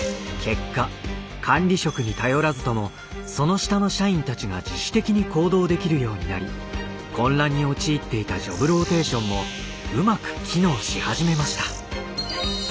結果管理職に頼らずともその下の社員たちが自主的に行動できるようになり混乱に陥っていたジョブローテーションもうまく機能し始めました。